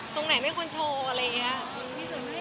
ตรงไหนไม่ควรโชว์อะไรอย่างนี้